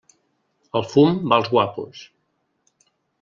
El fum va als guapos.